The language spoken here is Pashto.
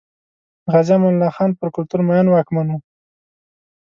غازي امان الله خان پر کلتور مین واکمن و.